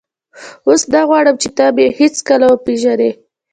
اوس نه غواړم چې ته مې هېڅکله وپېژنې.